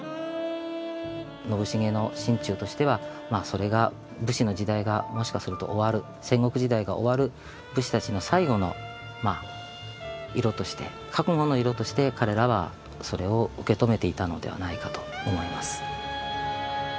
信繁の心中としてはまあそれが武士の時代がもしかすると終わる戦国時代が終わる武士たちの最後の色として覚悟の色として彼らはそれを受け止めていたのではないかと思います。